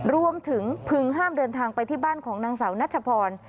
รวมถึงพึงห้ามเดินทางไปที่บ้านของนางสาวนัชพร